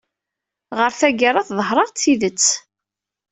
Ɣer tagara teḍher-aɣ-d tidet.